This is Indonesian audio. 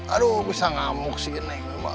aduh bisa ngamuk sih neng mak